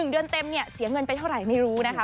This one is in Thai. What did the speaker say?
เดือนเต็มเนี่ยเสียเงินไปเท่าไหร่ไม่รู้นะคะ